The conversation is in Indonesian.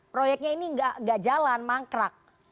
proyeknya ini nggak jalan mangkrak